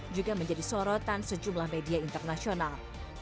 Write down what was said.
juga menjadi sorotan sejumlah media internasional